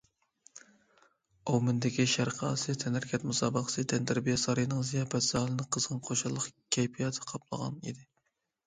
ئاۋمېندىكى شەرقىي ئاسىيا تەنھەرىكەت مۇسابىقىسى تەنتەربىيە سارىيىنىڭ زىياپەت زالىنى قىزغىن خۇشاللىق كەيپىياتى قاپلىغان ئىدى.